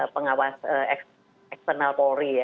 pengawas eksternal polri